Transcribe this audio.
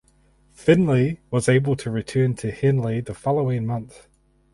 Finlay was able to return to Henley the following month.